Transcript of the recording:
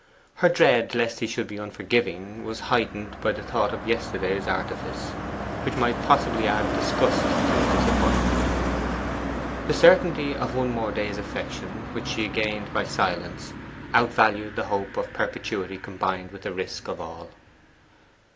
Her dread lest he should be unforgiving was heightened by the thought of yesterday's artifice, which might possibly add disgust to his disappointment. The certainty of one more day's affection, which she gained by silence, outvalued the hope of a perpetuity combined with the risk of all.